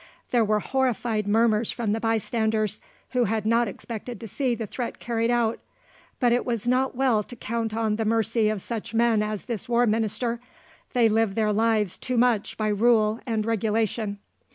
There were horrified murmurs from the bystanders, who had not expected to see the threat carried out. But it is not well to count on the mercy of such men as this War Minister; they live their lives too much by rule and regulation.